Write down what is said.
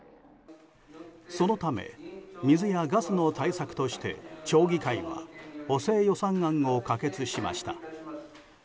そのため、水やガスの対策として町議会は補正予算案を可決しました。